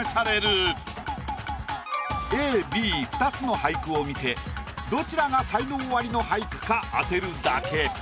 ＡＢ２つの俳句を見てどちらが才能アリの俳句か当てるだけ。